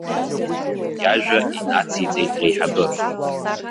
Иажәа инациҵеит реиҳабы.